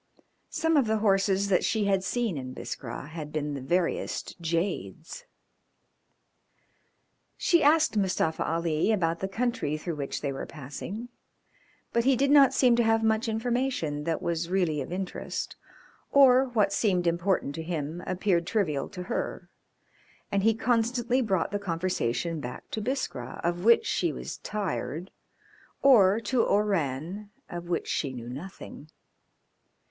Some of the horses that she had seen in Biskra had been the veriest jades. She asked Mustafa Ali about the country through which they were passing, but he did not seem to have much information that was really of interest, or what seemed important to him appeared trivial to her, and he constantly brought the conversation back to Biskra, of which she was tired, or to Oran, of which she knew nothing.